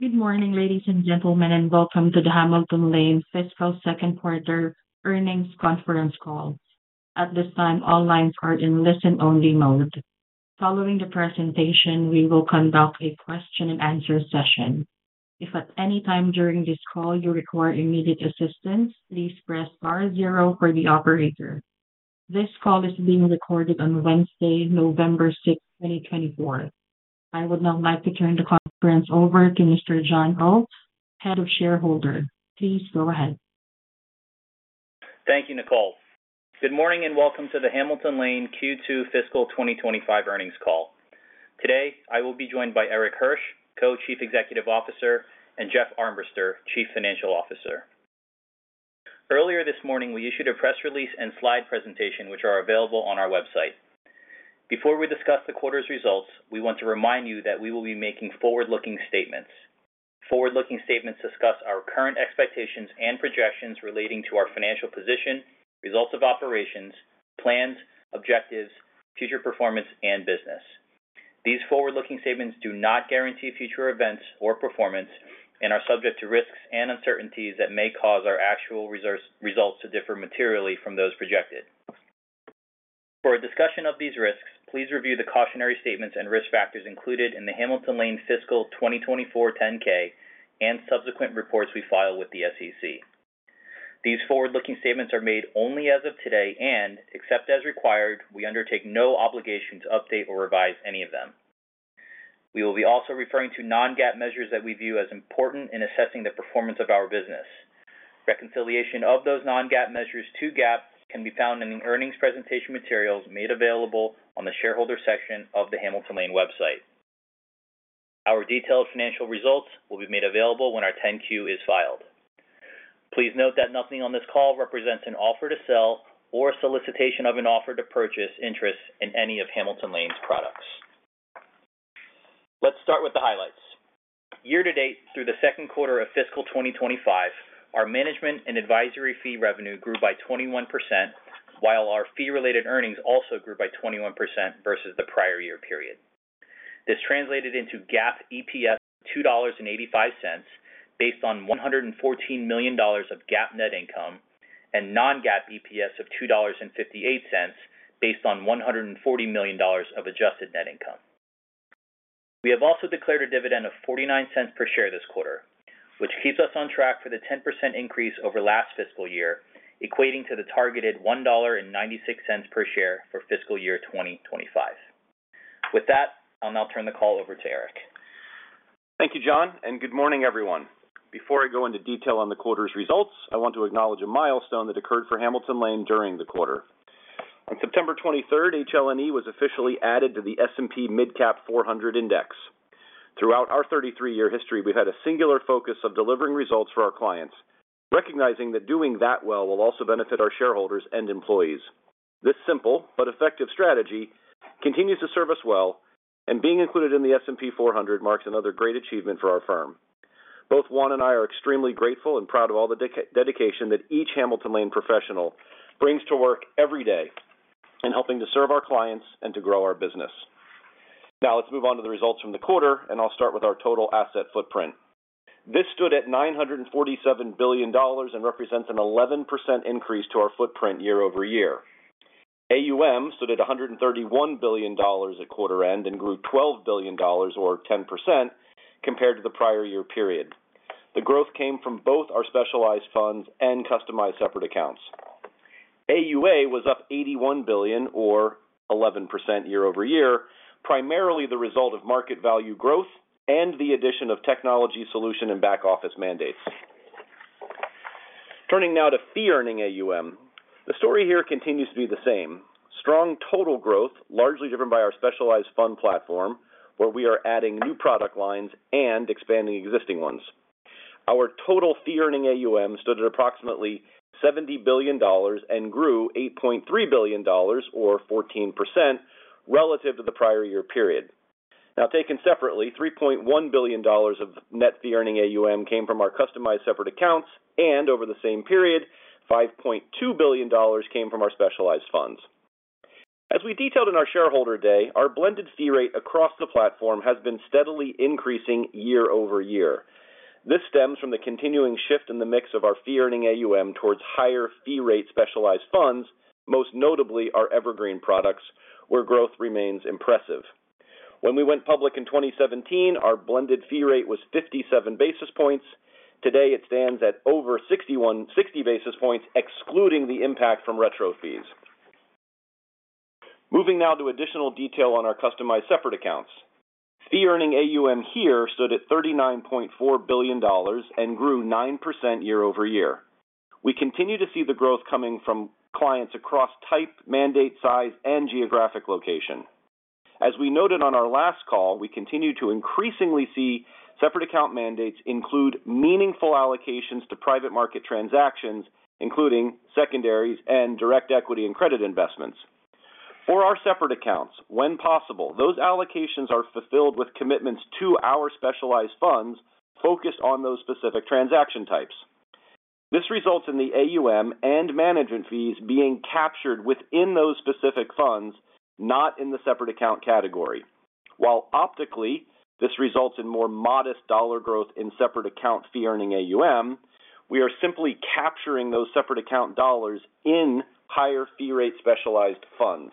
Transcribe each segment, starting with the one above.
Good morning, ladies and gentlemen, and welcome to the Hamilton Lane Fiscal Second Quarter Earnings Conference Call. At this time, all lines are in listen-only mode. Following the presentation, we will conduct a question-and-answer session. If at any time during this call you require immediate assistance, please press star zero for the operator. This call is being recorded on Wednesday, November 6th. I would now like to turn the conference over to Mr. John Oh, Head of Shareholder Relations. Please go ahead. Thank you. Nicole. Good morning and welcome to the Hamilton Lane Q2 fiscal 2025 earnings call. Today I will be joined by Erik Hirsch, Co-Chief Executive Officer and Jeff Armbruster, Chief Financial Officer. Earlier this morning we issued a press release and slide presentation which are available on our website. Before we discuss the quarter's results, we want to remind you that we will be making forward-looking statements. Forward-looking statements discuss our current expectations and projections relating to our financial position, results of operations, plans, objectives, future performance and business. These forward-looking statements do not guarantee future events or performance and are subject to risks and uncertainties that may cause our actual results to differ materially from those projected. For a discussion of these risks, please review the cautionary statements and risk factors included in the Hamilton Lane Fiscal 2024 10-K and subsequent reports we file with the SEC. These forward-looking statements are made only as of today and except as required, we undertake no obligation to update or revise any of them. We will be also referring to non-GAAP measures that we view as important in assessing the performance of our business. Reconciliation of those non-GAAP measures to GAAP can be found in the earnings presentation materials made available on the Shareholder section of the Hamilton Lane website. Our detailed financial results will be made available when our 10-Q is filed. Please note that nothing on this call represents an offer to sell or solicitation of an offer to purchase interest in any of Hamilton Lane's products. Let's start with the highlights year-to-date through the second quarter of fiscal 2025, our management and advisory fee revenue grew by 21% while our fee related earnings also grew by 21% versus the prior year period. This translated into GAAP EPS of $2.85 based on $114 million of GAAP net income and non-GAAP EPS of $2.58 based on $140 million of adjusted net income. We have also declared a dividend of $0.49 per share this quarter which keeps us on track for the 10% increase over last fiscal year equating to the targeted $1.96 per share for fiscal year 2025. With that, I'll now turn the call over to Erik. Thank you, John, and good morning, everyone. Before I go into detail on the quarter's results, I want to acknowledge a milestone that occurred for Hamilton Lane during the quarter. On September 23rd, HLNE was officially added to the S&P MidCap 400 Index. Throughout our 33-year history we've had a singular focus of delivering results for our clients, recognizing that doing that well will also benefit our shareholders and employees. This simple but effective strategy continues to serve us well and being included in the S&P 400 marks another great achievement for our firm. Both Juan and I are extremely grateful and proud of all the dedication that each Hamilton Lane professional brings to work every day and helping to serve our clients and to grow our business. Now let's move on to the results from the quarter and I'll start with our total asset footprint. This stood at $947 billion and represents an 11% increase to our footprint year over year. AUM stood at $131 billion at quarter end and grew $12 billion or 10% compared to the prior year period. The growth came from both our specialized funds and customized separate accounts. AUA was up $81 billion or 11% year over year, primarily the result of market value growth and the addition of technology solutions and back office mandates. Turning now to fee earning AUM, the story here continues to be the same strong total growth largely driven by our specialized fund platform where we are adding new product lines and expanding existing ones. Our total fee earning AUM stood at approximately $70 billion and grew $8.3 billion or 14% relative to the prior year period. Now taken separately, $3.1 billion of net Fee Earning AUM came from our Customized Separate Accounts and over the same period $5.2 billion came from our Specialized Funds. As we detailed in our Shareholder Day, our blended fee rate across the platform has been steadily increasing year over year as this stems from the continuing shift in the mix of our Fee Earning AUM towards higher fee rate Specialized Funds, most notably our Evergreen products where growth remains impressive. When we went public in 2017, our blended fee rate was 57 basis points. Today it stands at over 60 basis points excluding the impact from retro fees. Moving now to additional detail on our Customized Separate Accounts, Fee Earning AUM here stood at $39.4 billion and grew 9% year over year. We continue to see the growth coming from clients across type, mandate size and geographic location. As we noted on our last call, we continue to increasingly see separate account mandates include meaningful allocations to private market transactions including secondaries and direct equity and credit investments for our separate accounts. When possible, those allocations are fulfilled with commitments to our Specialized Funds focused on those specific transaction types. This results in the AUM and management fees being captured within those specific funds not in the separate account category. While optically this results in more modest dollar growth in separate account Fee Earning AUM, we are simply capturing those separate account dollars in higher fee rate Specialized Funds.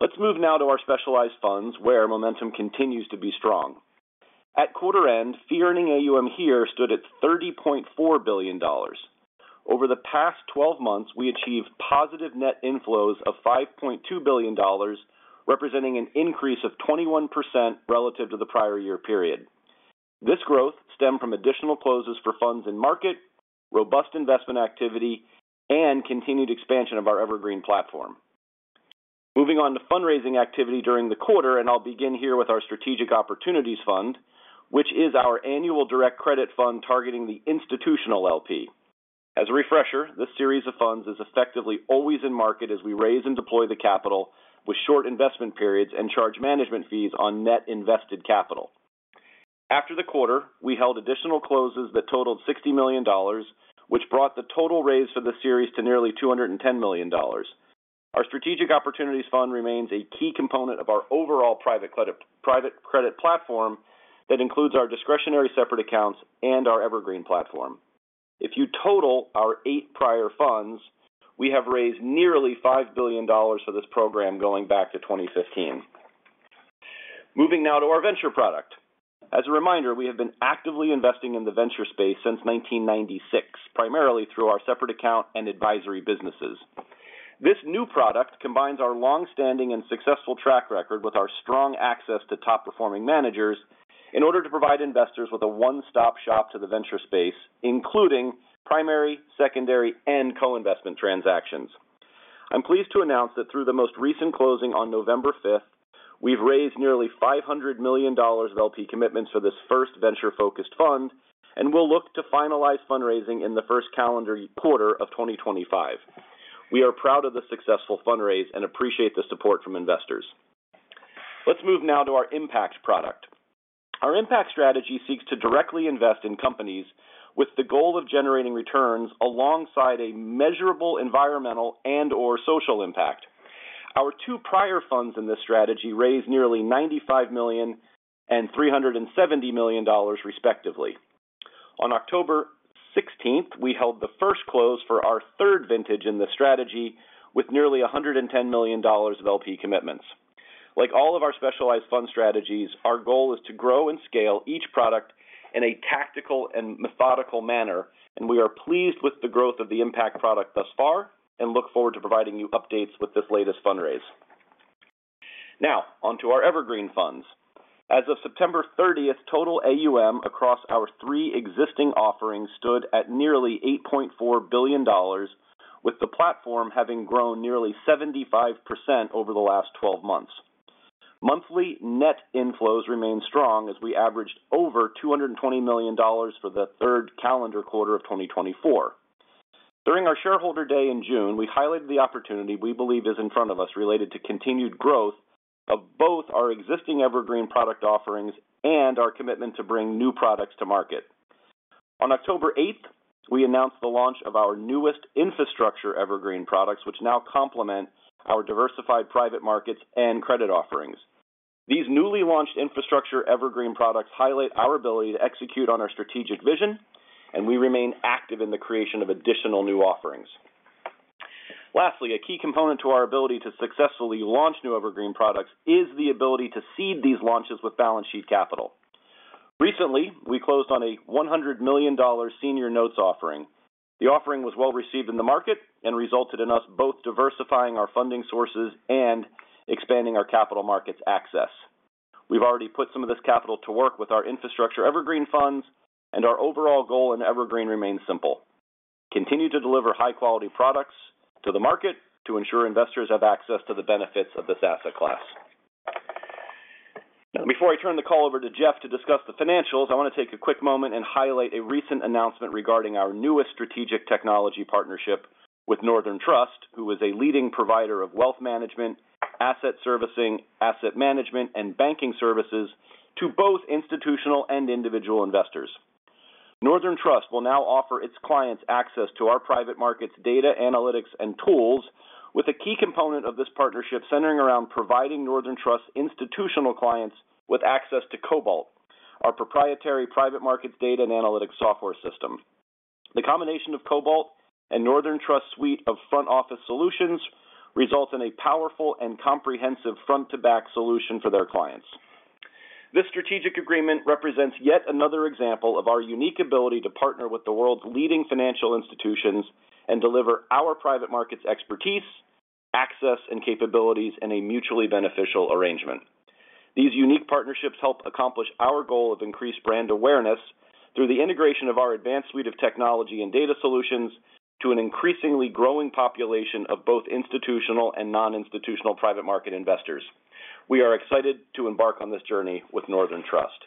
Let's move now to our Specialized Funds where momentum continues to be strong. At quarter end, Fee Earning AUM here stood at $30.4 billion. Over the past 12 months we achieved positive net inflows of $5.2 billion, representing an increase of 21% relative to the prior year period. This growth stemmed from additional closes for funds in market robust investment activity and continued expansion of our Evergreen platform. Moving on to fundraising activity during the quarter, and I'll begin here with our Strategic Opportunities Fund, which is our annual direct credit fund targeting the institutional LP as a refresher. This series of funds is effectively always in market as we raise and deploy the capital with short investment periods and charge management fees on net invested capital. After the quarter, we held additional closes that totaled $60 million, which brought the total raise for the series to nearly $210 million. Our Strategic Opportunities Fund remains a key component of our overall private credit platform that includes our discretionary separate accounts and our Evergreen platform. If you total our eight prior funds, we have raised nearly $5 billion for this program going back to 2015. Moving now to our venture product. As a reminder, we have been actively investing in the venture space since 1996 primarily through our separate account and advisory businesses. This new product combines our long standing and successful track record with our strong access to top performing managers in order to provide investors with a one stop shop to the venture space including primary, secondary and co-investment transactions. I'm pleased to announce that through the most recent closing on November 5th, we've raised nearly $500 million of LP commitments for this first venture focused fund and will look to finalize fundraising in the first calendar quarter of 2025. We are proud of the successful fundraise and appreciate the support from investors. Let's move now to our Impact product. Our Impact strategy seeks to directly invest in companies with the goal of generating returns alongside a measurable environmental and or social impact. Our two prior funds in this strategy raised nearly $95 million and $370 million respectively. On October 16th we held the first close for our third vintage in the strategy with nearly $110 million of LP commitments. Like all of our specialized fund strategies, our goal is to grow and scale each product in a tactical and methodical manner and we are pleased with the growth of the impact product thus far and look forward to providing you updates with this latest fundraise. Now onto our Evergreen Funds. As of September 30th, total AUM across our three existing offerings stood at nearly $8.4 billion, with the platform having grown nearly 75% over the last 12 months. Monthly net inflows remained strong as we averaged over $220 million for the third calendar quarter of 2024. During our Shareholder Day in June, we highlighted the opportunity we believe is in front of us related to continued growth of both our existing Evergreen Product offerings and our commitment to bring new products to market. On October 8, we announced the launch of our newest Infrastructure Evergreen Products, which now complement our diversified private markets and credit offerings. These newly launched Infrastructure Evergreen Products highlight our ability to execute on our strategic vision and we remain active in the creation of additional new offerings. Lastly, a key component to our ability to successfully launch new Evergreen Products is the ability to seed these launches with balance sheet capital. Recently we closed on a $100 million senior notes offering. The offering was well received in the market and resulted in us both diversifying our funding sources and expanding our capital markets access. We've already put some of this capital to work with our Infrastructure Evergreen Products and our overall goal in Evergreen remains simple. Continue to deliver high quality products to the market to ensure investors have access to the benefits of this asset class. Before I turn the call over to Jeff to discuss the financials, I want to take a quick moment and highlight a recent announcement regarding our newest strategic technology partnership with Northern Trust, who is a leading provider of wealth management, asset servicing, asset management and banking services to both institutional and individual investors. Northern Trust will now offer its clients access to our private markets, data analytics and tools with a key component of this partnership centering around providing Northern Trust's institutional clients with access to Cobalt, our proprietary private markets data and analytics software system. The combination of Cobalt and Northern Trust's suite of front office solutions results in a powerful and comprehensive front to back solution for their clients. This strategic agreement represents yet another example of our unique ability to partner with the world's leading financial institutions and deliver our private markets expertise, access and capabilities in a mutually beneficial arrangement. These unique partnerships help accomplish our goal of increased brand awareness and through the integration of our advanced suite of technology and data solutions to an increasingly growing population of both institutional and non-institutional private market investors. We are excited to embark on this journey with Northern Trust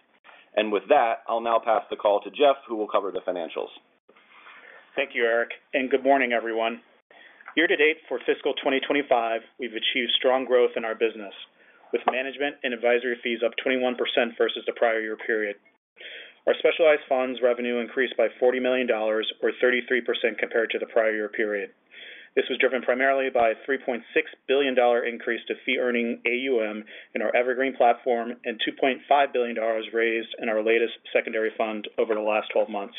and with that, I'll now pass the call to Jeff who will cover the financials. Thank you Erik and good morning everyone. Year to date for fiscal 2025 we've achieved strong growth in our business. With management and advisory fees up 21% versus the prior year period. Our specialized funds revenue increased by $40 million or 33% compared to the prior year period. This was driven primarily by a $3.6 billion increase to fee earning AUM in our Evergreen platform and $2.5 billion raised in our latest secondary fund over the last 12 months.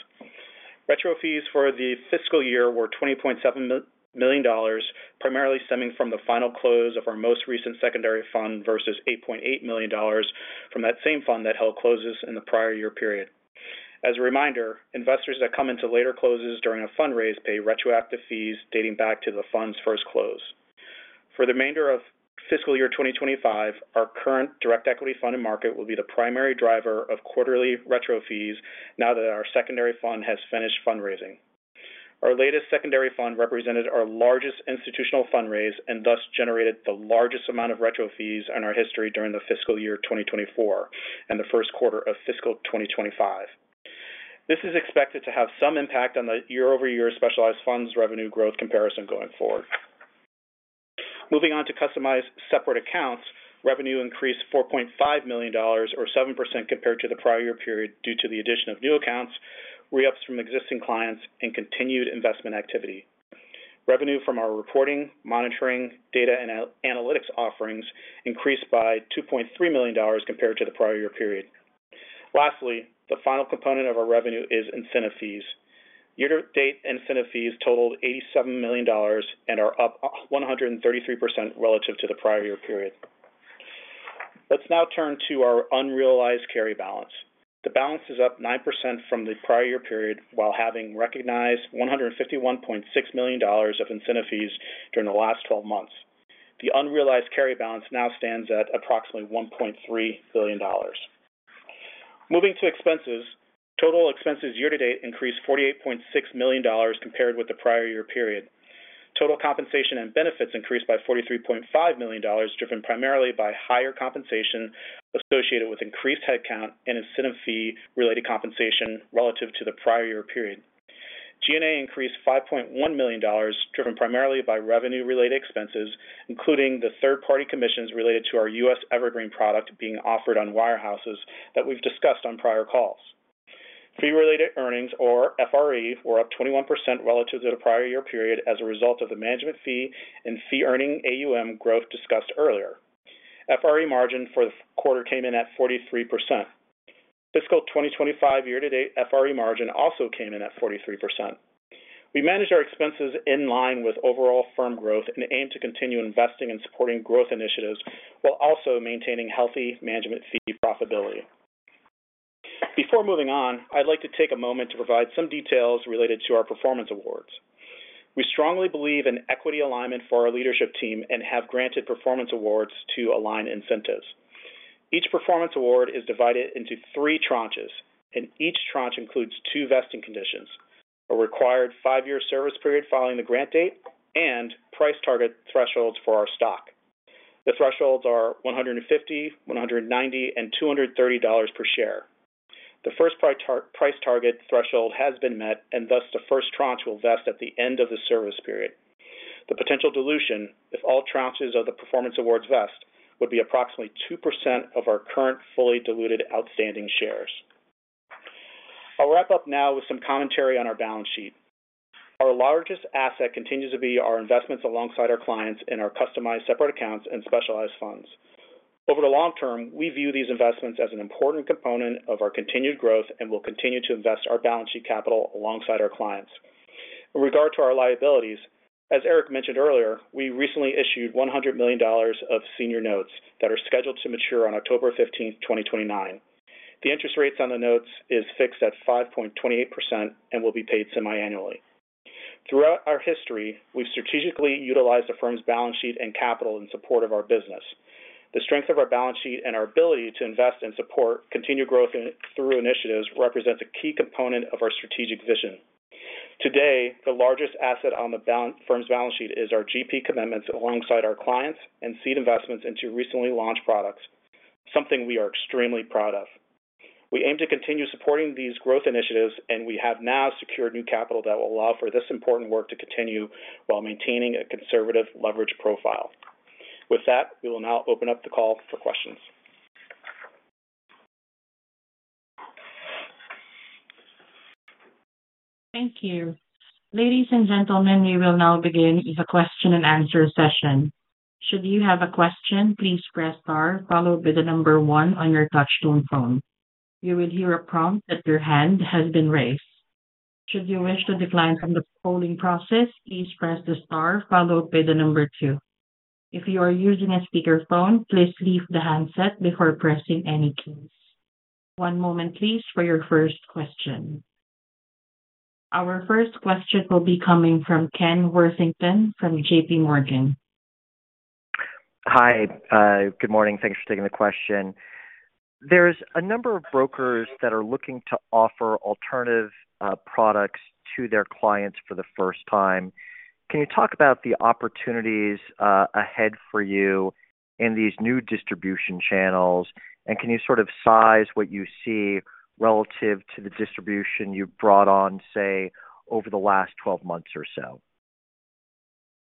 Retro fees for the fiscal year were $20.7 million, primarily stemming from the final close of our most recent secondary fund versus $8.8 million from that same fund that held closes in the prior year period. As a reminder, investors that come into later closes during a fundraise pay retroactive fees dating back to the fund's first close for the remainder of fiscal year 2025. Our current direct equity funded market will be the primary driver of quarterly retro fees now that our secondary fund has finished fundraising. Our latest secondary fund represented our largest institutional fundraise and thus generated the largest amount of retro fees in our history during the fiscal year 2024 and the first quarter of fiscal 2025. This is expected to have some impact on the year-over-year specialized funds revenue growth comparison going forward. Moving on to customized separate accounts, revenue increased $4.5 million or 7% compared to the prior year period due to the addition of new accounts, re-ups from existing clients and continued investment activity. Revenue from our reporting, monitoring data and analytics offerings increased by $2.3 million compared to the prior year period. Lastly, the final component of our revenue is incentive fees. Year-to-date, incentive fees totaled $87 million and are up 133% relative to the prior year period. Let's now turn to our unrealized carry balance. The balance is up 9% from the prior year period while having recognized $151.6 million of incentive fees during the last 12 months. The unrealized carry balance now stands at approximately $1.3 billion. Moving to expenses, total expenses year to date increased $48.6 million compared with the prior year period. Total compensation and benefits increased by $43.5 million, driven primarily by higher compensation associated with increased headcount and incentive fee related compensation relative to the prior year period. G&A increased $5.1 million, driven primarily by revenue related expenses including the third-party commissions related to our U.S. Evergreen product being offered on wirehouses that we've discussed on PR. Fee related earnings or FRE were up 21% relative to the prior year period as a result of the management fee and fee earning AUM growth discussed earlier. FRE margin for the quarter came in at 43%. Fiscal 2025 year-to-date FRE margin also came in at 43%. We managed our expenses in line with overall firm growth and aim to continue investing in supporting growth initiatives while also maintaining healthy management fee profitability. Before moving on, I'd like to take a moment to provide some details related to our performance awards. We strongly believe in equity alignment for our leadership team and have granted performance awards to align incentives. Each performance award is divided into three tranches and each tranche includes two vesting conditions, a required five-year service period following the grant date and price target thresholds. For our stock, the thresholds are $150, $190, and $230 per share. The first price target threshold has been met and thus the first tranche will vest at the end of the service period. The potential dilution if all tranches of the performance awards vest would be approximately 2% of our current fully diluted outstanding shares. I'll wrap up now with some commentary on our balance sheet. Our largest asset continues to be our investments alongside our clients in our customized separate accounts and specialized funds. Over the long term, we view these investments as an important component of our continued growth and will continue to invest our balance sheet capital alongside our clients. In regard to our liabilities, as Erik mentioned earlier, we recently issued $100 million of senior notes that are scheduled to mature on October 15, 2029. The interest rates on the notes are fixed at 5.28% and will be paid semi-annually. Throughout our history, we've strategically utilized the firm's balance sheet and capital in support of our business. The strength of our balance sheet and our ability to invest and support continued growth through initiatives represents a key component of our strategic vision today. The largest asset on the firm's balance sheet is our GP commitments alongside our clients and seed investments into recently launched products, something we are extremely proud of. We aim to continue supporting these growth initiatives and we have now secured new capital that will allow for this important work to continue while maintaining a conservative leverage profile. With that, we will now open up the call for questions. Thank you ladies and gentlemen. We will now begin the question and answer session. Should you have a question, please press star followed by the number one on your touch-tone phone. You will hear a prompt that your hand has been raised. Should you wish to decline from the phone polling process, please press the star followed by the number two. If you are using a speakerphone, please leave the handset before pressing any keys. One moment please for your first question. Our first question will be coming from Ken Worthington from J.P. Morgan. Hi, good morning. Thanks for taking the question. There's a number of brokers that are looking to offer alternative products to their clients for the first time. Can you talk about the opportunities ahead for you in these new distribution channels and can you sort of size what you see relative to the distribution you've brought on, say over the last 12 months or so?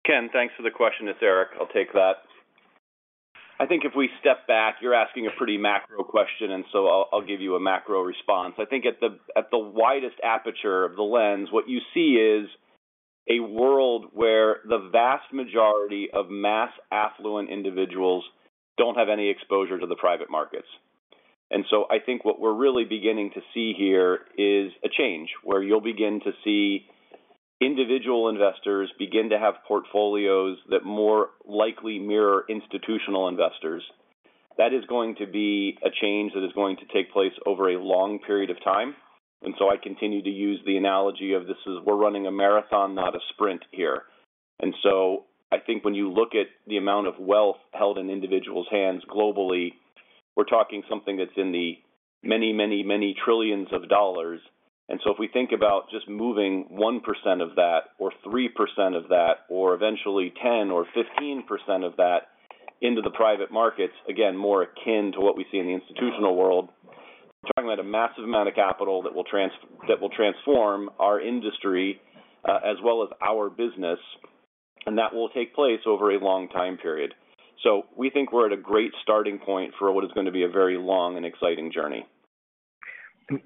Ken, thanks for the question. It's Erik, I'll take that. I think if we step back you're asking a pretty macro question and so I'll give you a macro response. I think at the widest aperture of the lens, what you see is a world where the vast majority of mass affluent individuals don't have any exposure to the private markets, and so I think what we're really beginning to see here is a change where you'll begin to see individual investors begin to have portfolios that more likely mirror institutional investors. That is going to be a change that is going to take place over a long period of time, and so I continue to use the analogy of this is we're running a marathon, not a sprint here. And so I think when you look at the amount of wealth held in individuals' hands globally, we're talking something that's in the many, many, many trillions of dollars. And so if we think about just moving one% of that or three% of that or eventually 10% or 15% of that into the private markets, again more akin to what we see in the institutional world talking about a massive amount of capital that will transform our industry as well as our business and that will take place over a long time period. So we think we're at a great starting point for what is going to be a very long and exciting journey.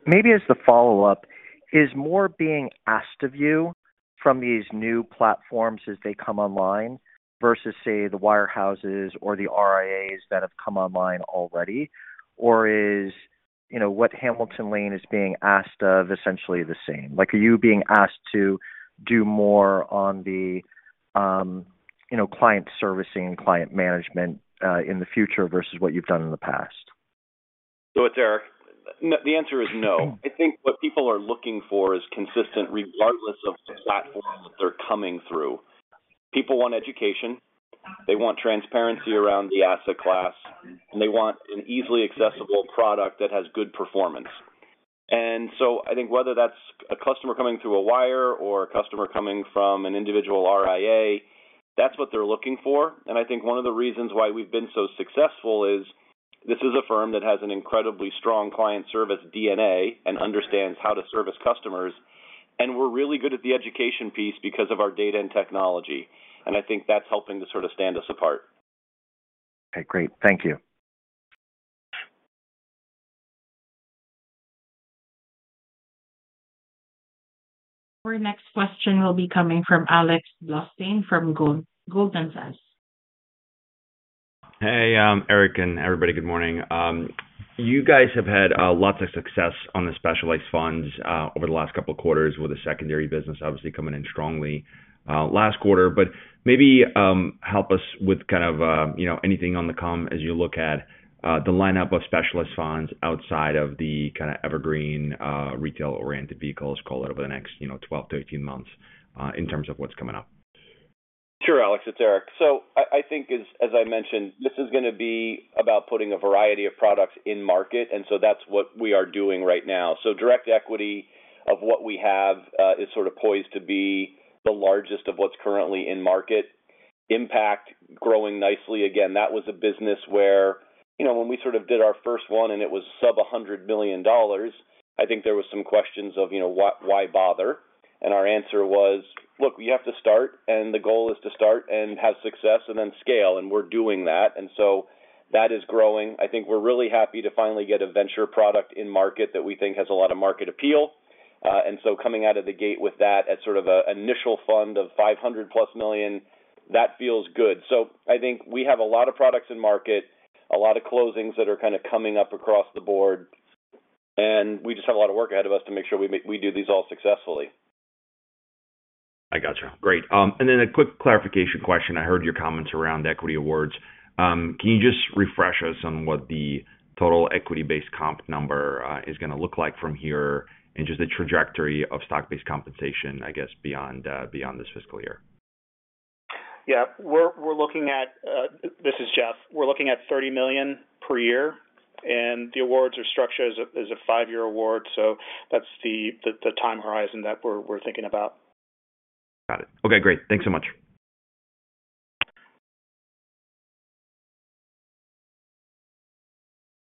Maybe as the follow up is more being asked of you from these new platforms as they come online versus say the wirehouses or the RIAs that have come online already or, or is what Hamilton Lane is being asked of essentially the same like are you being asked to do more on the client servicing and client management in the future versus what you've done in the past? So it's Erik, the answer is no. I think what people are looking for is consistent regardless of the platform that they're coming through. People want education, they want transparency around the asset class and they want an easily accessible product that has good performance. And so I think whether that's a customer coming through a wirehouse or a customer coming from an individual RIA, that's what they're looking for. And I think one of the reasons why we've been so successful is this is a firm that has an incredibly strong client service DNA and understands how to service customers. And we're really good at the education piece because of our data and technology and I think that's helping to sort of stand us apart. Okay, great, thank you. Our next question will be coming from Alex Blostein from Goldman Sachs. Hey Erik and everybody, good morning. You guys have had lots of success on the specialized funds over the last couple quarters with the secondary business obviously coming in strongly last quarter. But maybe help us with kind of anything on the come as you look at the lineup of specialist funds outside of the kind of evergreen retail oriented vehicles call it over the next 12, 13 months in terms of what's coming up? Sure Alex, it's Erik. I think as I mentioned this is going to be about putting a variety of products in market. And so that's what we are doing right now. So direct equity of what we have is sort of poised to be the largest of what's currently in market impact growing nicely. Again, that was a business where when we sort of did our first one and it was sub-$100 million, I think there was some questions of why bother? And our answer was look, we have to start and the goal is to start and have success and then scale and we're doing that. That is growing. I think we're really happy to finally get a venture product in market that we think has a lot of market appeal. And so coming out of the gate with that at sort of an initial fund of $500+ million, that feels good. So I think we have a lot of products in market, a lot of closings that are kind of coming up across the board and we just have a lot of work ahead of us to make sure we do these all successfully. I got you. Great. And then a quick clarification question. I heard your comments around equity awards. Can you just refresh us on what the total equity based comp number is going to look like from here and just the trajectory of stock based compensation I guess beyond this fiscal year? Yeah, we're looking at. This is Jeff. We're looking at $30 million per year and the awards are structured as a five-year award. So that's the time horizon that we're thinking about. Got it. Okay, great. Thanks so much.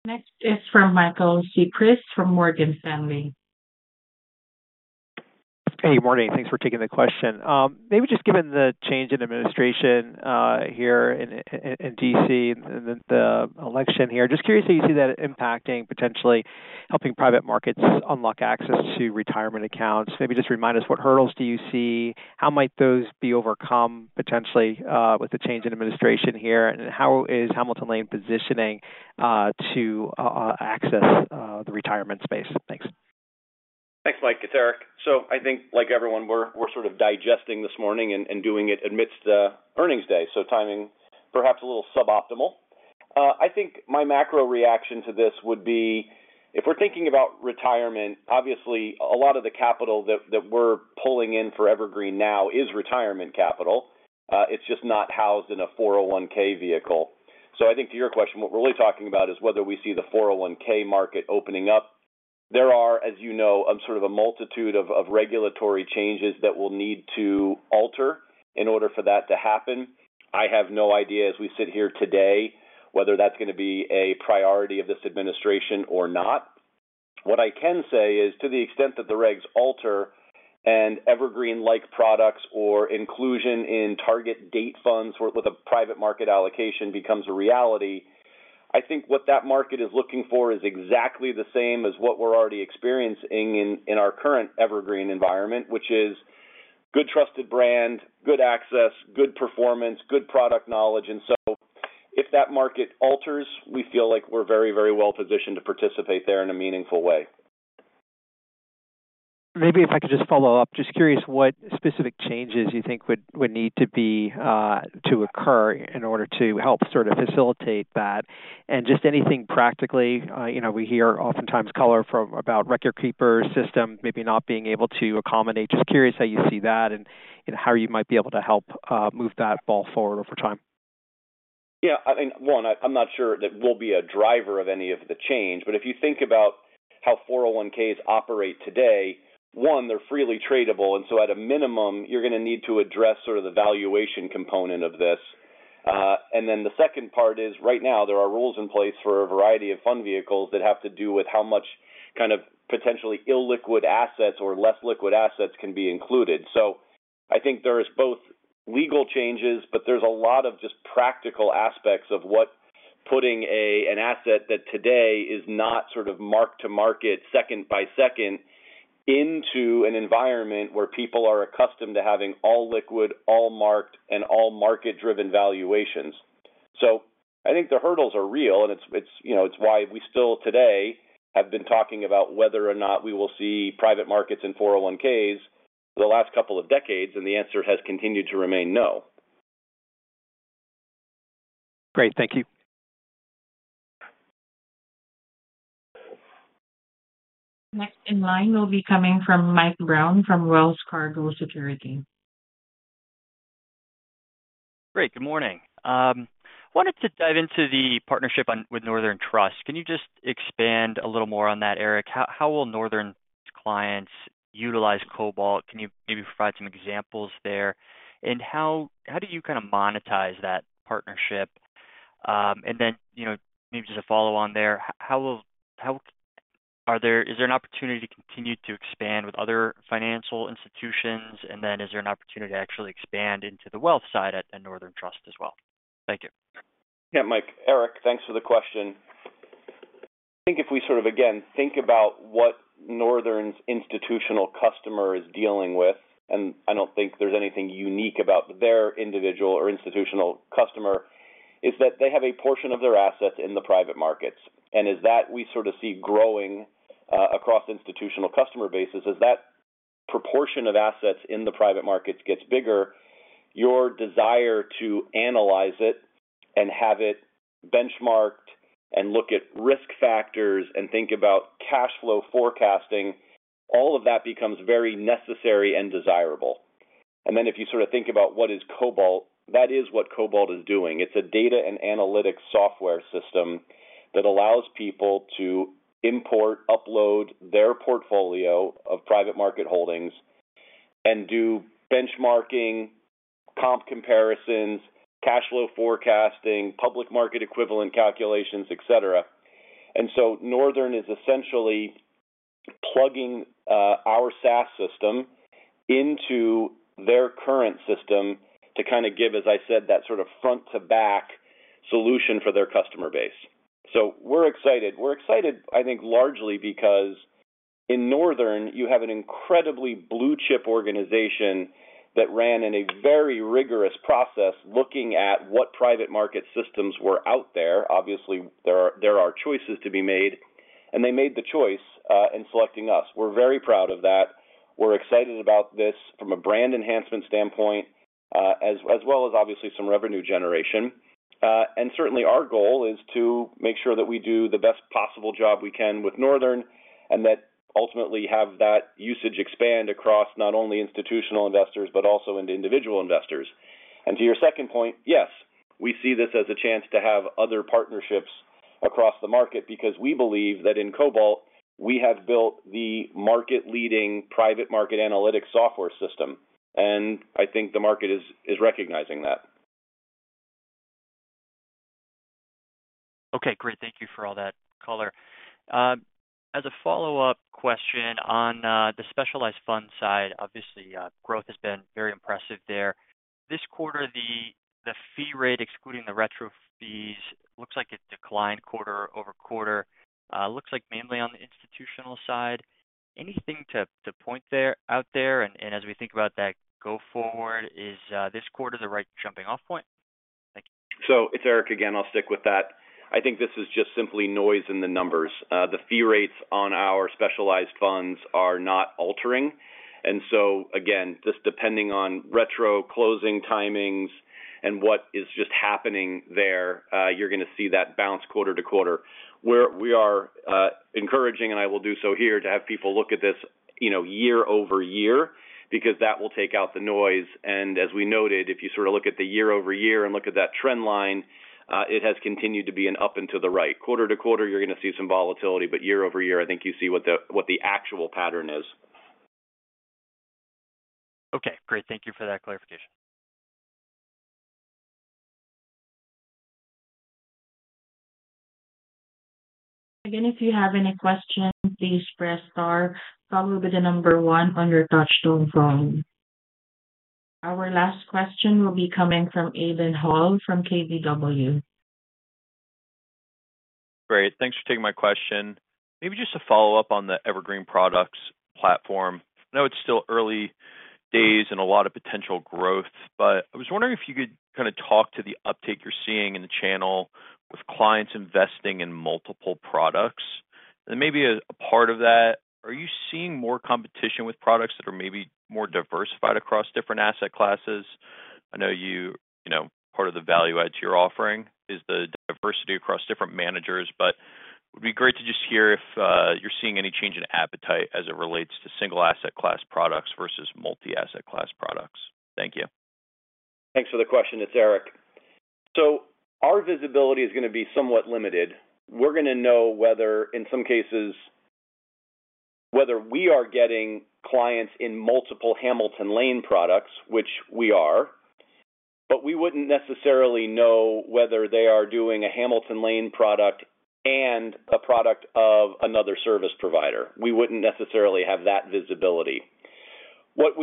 Next is from Michael Cyprys from Morgan Stanley. Good morning. Thanks for taking the question. Maybe just given the change in administration here in D.C. and the election here, just curious how you see that impacting, potentially helping private markets unlock access to retirement accounts. Maybe just remind us, what hurdles do you see? How might those be overcome potentially with the change in administration here and how is Hamilton Lane positioning to access the retirement space? Thanks. Thanks Mike. It's Erik. So I think like everyone, we're sort of digesting this morning and doing it amidst earnings day. So timing perhaps a little suboptimal. I think my macro reaction to this would be if we're thinking about retirement, obviously a lot of the capital that we're pulling in for Evergreen now is retirement capital. It's just not housed in a 401(k) vehicle. So I think to your question, what we're really talking about is whether we see the 401(k) market opening up. There are as you know, sort of a multitude of regulatory changes that will need to alter in order for that to happen. I have no idea as we sit here today whether that's going to be a priority of this administration or not. What I can say is to the extent that the regs alter and evergreen like products or inclusion in target date funds with a private market allocation becomes a reality, I think what that market is looking for is exactly the same as what we're already experiencing in our current evergreen environment, which is good trusted brand, good access, good performance, good product knowledge, and so if that market alters, we feel like we're very, very well positioned to participate there in a meaningful way. Maybe if I could just follow up. Just curious what specific changes you think would need to be to occur in order to help sort of facilitate and just anything practically. You know, we hear oftentimes color about record keeper system maybe not being able to accommodate. Just curious how you see that and how you might be able to help move that ball forward over time. Yeah, I mean, one, I'm not sure that will be a driver of any of the change. But if you think about how 401(k)s operate today, one, they're freely tradable. And so at a minimum you're going to need to address sort of the valuation component of this. And then the second part is right now there are rules in place for a variety of fund vehicles that have to do with how much kind of potentially illiquid assets or less liquid assets can be included. So I think there's both legal changes, but there's a lot of just practical aspects of what putting an asset that today is not sort of mark to market second by second into an environment where people are accustomed to having all liquid, all marked and all market driven valuations. So I think the hurdles are real and it's why we still today have been talking about whether or not we will see private markets and 401(k)s the last couple of decades, and the answer has continued to remain no. Great, thank you. Next in line will be coming from Mike Brown from Wells Fargo Securities. Great, good morning. Wanted to dive into the partnership with Northern Trust. Can you just expand a little more on that? Erik, how will Northern clients utilize Cobalt? Can you maybe provide some examples there? And how do you kind of monetize that partnership? And then, you know, maybe just a follow on there. Is there an opportunity to continue to expand with other financial institutions and then is there an opportunity to actually expand into the wealth side at Northern Trust as well? Thank you. Yeah, Mike. Erik, thanks for the question. I think if we sort of again think about what Northern Trust's institutional customer is dealing with, and I don't think there's anything unique about their individual or institutional customer, is that they have a portion of their assets in the private markets and is that we sort of see growing across institutional customer bases, is that proportion of assets in the private markets gets bigger. Your desire to analyze it and have it benchmarked and look at risk factors and think about cash flow forecasting, all of that becomes very necessary and desirable. And then if you sort of think about what is Cobalt, that is what Cobalt is doing. It's a data and analytics software system that allows people to import, upload their portfolio of private market holdings and do benchmarking, comp comparisons, cash flow forecasting, public market equivalent calculations, etc. And so Northern is essentially plugging our SaaS system into their current system to kind of give, as I said, that sort of front to back solution for their customer base. So we're excited. We're excited, I think largely because in Northern you have an incredibly blue chip organization that ran in a very rigorous process looking at what private market systems were out there. Obviously there are choices to be made and they made the choice in selecting us. We're very proud of that. We're excited about this from a brand enhancement standpoint as well as obviously some revenue generation. And certainly our goal is to make sure that we do the best possible job we can with Northern and that ultimately have that usage expand across not only institutional investors but also into individual investors. To your second point, yes, we see this as a chance to have other partnerships across the market because we believe that in Cobalt we have built the market leading private market analytics software system and I think the market is recognizing that. Okay, great. Thank you for all that color. As a follow-up question on the Specialized Funds side, obviously growth has been very impressive there this quarter. The fee rate excluding the retro fees looks like it declined quarter over quarter. Looks like mainly on the institutional side. Anything to point out there. And as we think about that going forward, is this quarter the right jumping-off point? Thank you. It's Erik again, I'll stick with that. I think this is just simply noise in the numbers. The fee rates on our specialized funds are not altering. And so again just depending on retro closing timings and what is just happening there, you're going to see that bounce quarter to quarter. We are encouraging and I will do so here to have people look at this year over year because that will take out the noise. And as we noted, if you sort of look at the year over year and look at that trend line, it has continued to be an up and to the right quarter to quarter you're going to see some volatility. But year over year I think you see what the actual pattern is. Okay, great. Thank you for that clarification. Again, if you have any question, please press star followed with the number one on your touch tone phone. Our last question will be coming from Aidan Hall from KBW. Great, thanks for taking my question. Maybe just a follow up on the Evergreen Products platform. I know it's still early days and a lot of potential growth, but I was wondering if you could kind of talk to the uptake you're seeing in the channel with clients investing in multiple products and maybe a part of that, are you seeing more competition with products that are maybe more diversified across different asset classes? I know you, you know part of the value add to your offering is the diversity across different managers. But it would be great to just hear if you're seeing any change in appetite as it relates to single asset class products versus multi asset class products. Thank you. Thanks for the question. It's Erik. So our visibility is going to be somewhat limited. We're going to know whether in some cases whether we are getting clients in multiple Hamilton Lane products, which we are. But we wouldn't necessarily know whether they are doing a Hamilton Lane product and a product of another service provider. We wouldn't necessarily have that visibility. What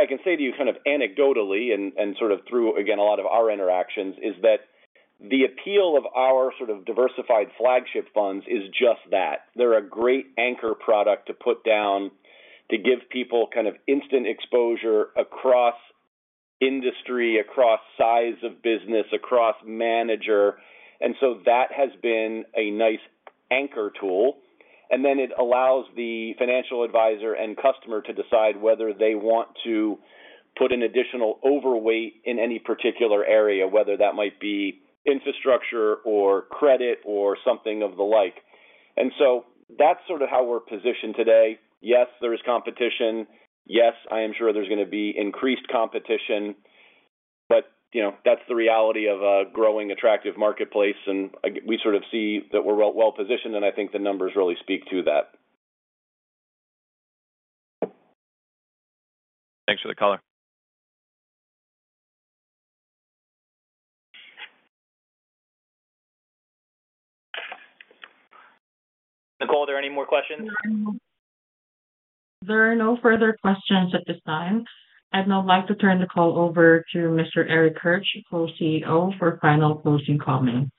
I can say to you kind of anecdotally and sort of through, again, a lot of our interactions is that the appeal of our sort of diversified flagship funds is just that they're a great anchor product to put down to give people kind of instant exposure across industry, across size of business, across manager. And so that has been a nice anchor tool. And then it allows the financial advisor and customer to decide whether they want to put an additional overweight in any particular area, whether that might be infrastructure or credit or something of the like. And so that's sort of how we're positioned today. Yes, there is competition. Yes, I am sure there's going to be increased competition. But, you know, that's the reality of a growing, attractive marketplace. And we sort of see that we're well positioned. And I think the numbers really speak to that. Thanks for the color. Nicole. Are there any more questions? There are no further questions at this time. I'd now like to turn the call over to Mr. Erik Hirsch, Co-CEO, for final closing comments.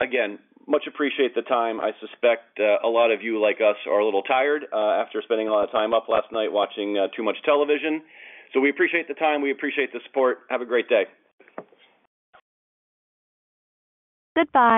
Again, much appreciate the time. I suspect a lot of you like us are a little tired after spending a lot of time up last night watching too much television. So we appreciate the time. We appreciate the support. Have a great day. Goodbye.